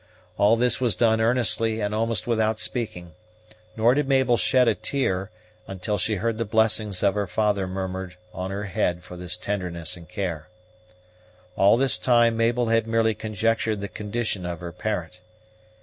All this was done earnestly, and almost without speaking; nor did Mabel shed a tear, until she heard the blessings of her father murmured on her head for this tenderness and care. All this time Mabel had merely conjectured the condition of her parent.